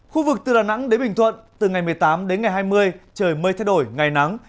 khu vực từ đà nẵng đến bình thuận từ ngày một mươi tám đến ngày hai mươi trời mây thay đổi ngày nắng